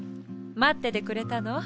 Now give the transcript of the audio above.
まっててくれたの？